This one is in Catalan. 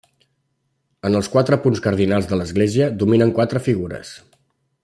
En els quatre punts cardinals de l'església dominen quatre figures.